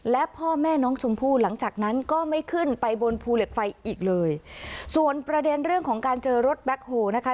และพ่อแม่น้องชมพู่หลังจากนั้นก็ไม่ขึ้นไปบนภูเหล็กไฟอีกเลยส่วนประเด็นเรื่องของการเจอรถแบ็คโฮลนะคะ